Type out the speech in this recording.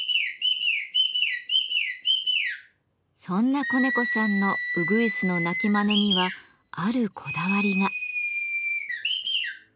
そんな小猫さんのうぐいすの鳴きまねにはあるこだわりが。